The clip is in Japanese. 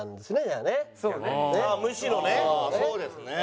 ああそうですね。